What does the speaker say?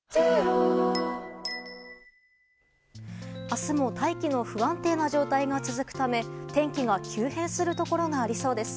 明日も大気の不安定な状態が続くため天気が急変するところがありそうです。